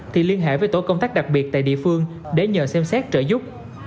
thì liên hệ với tổ công tác đặc biệt tại địa phương để nhờ xem xét trợ giúp